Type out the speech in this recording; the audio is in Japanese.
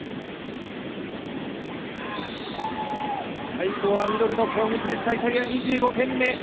最後はミドルの攻撃でした、イタリア、２５点目。